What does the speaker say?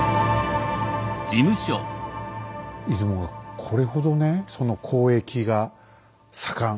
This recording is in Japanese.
出雲がこれほどね交易が盛ん。